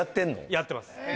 やってます。